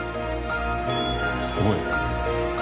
すごい。